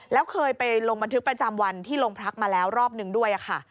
แล้วเคยไปลงบันทึกประจำวันที่โรงพักมาแล้วรอบหนึ่งด้วยค่ะ